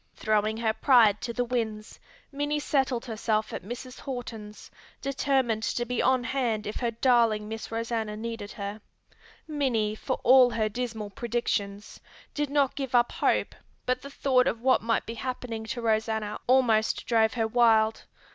Throwing her pride to the winds, Minnie settled herself at Mrs. Horton's, determined to be on hand if her darling Miss Rosanna needed her. Minnie, for all her dismal predictions, did not give up hope but the thought of what might be happening to Rosanna almost drove her wild.